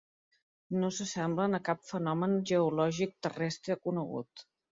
No s'assemblen a cap fenomen geològic terrestre conegut.